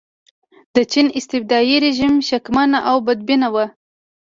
د چین استبدادي رژیم شکمن او بدبینه و.